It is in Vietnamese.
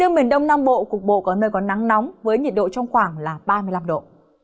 riêng miền đông nam bộ cục bộ có nơi có nắng nóng với nhiệt độ trong khoảng là ba mươi năm độ